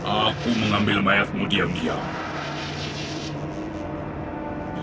aku mengambil mayatmu diam diam